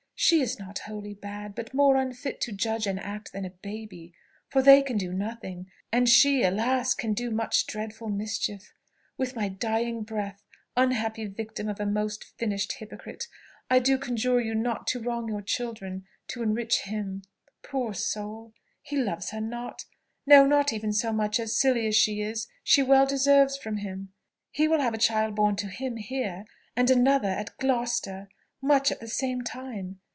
"She is not wholly bad, but more unfit to judge and act than a baby: for they can do nothing, and she, alas! can do much dreadful mischief. With my dying breath, unhappy victim of a most finished hypocrite, I do conjure you not to wrong your children, to enrich him. Poor soul! He loves her not; no not even so much as, silly as she is, she well deserves from him. He will have a child born to him here, and another at Gloucester, much at the same time.